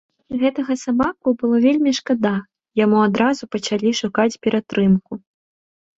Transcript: Гэтага сабаку было вельмі шкада, яму адразу пачалі шукаць ператрымку.